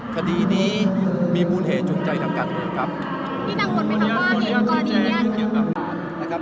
คดีนี้มีมูลเหตุจูงใจทางการอื่นครับ